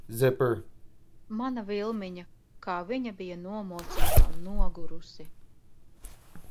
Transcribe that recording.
Mana Vilmiņa, kā viņa bija nomocīta un nogurusi.